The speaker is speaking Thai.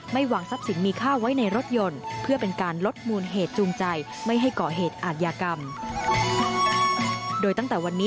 ไม่วางทรัพย์สินมีค่าไว้ในรถยนต์เพื่อเป็นการลดมูลเหตุจูงใจ